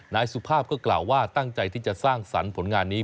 นายสุภาพก็กล่าวว่าตั้งใจที่จะสร้างสรรค์ผลงานนี้